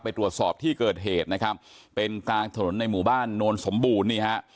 ไปตรวจสอบที่เกิดเหตุนะครับเป็นกลางถนนในหมู่บ้านโนนสมบูรณ์นี่ฮะ